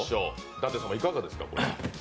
舘様いかがですか？